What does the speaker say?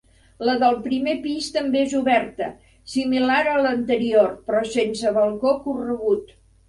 La del primer pis també és oberta, similar a l'anterior però sense balcó corregut.